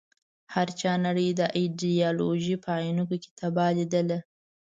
هر چا نړۍ د ایډیالوژۍ په عينکو کې تباه ليدله.